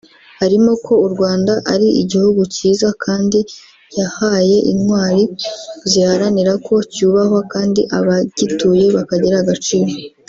harimo ko u Rwanda ari igihugu cyiza kandi yahaye intwari ziharanira ko cyubahwa kandi abagituye bakagira agaciro